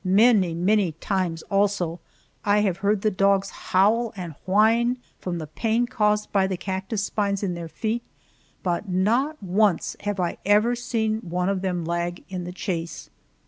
Many, many times, also, I have heard the dogs howl and whine from the pain caused by the cactus spines in their feet, but not once have I ever seen any one of them lag in the chase.